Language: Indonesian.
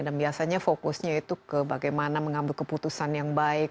dan biasanya fokusnya itu ke bagaimana mengambil keputusan yang baik